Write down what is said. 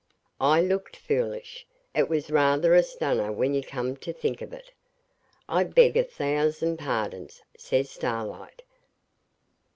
I looked foolish. It was rather a stunner when you come to think of it. 'I beg a thousand pardons,' says Starlight.